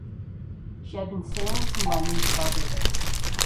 She had been sailing from London to Barbados.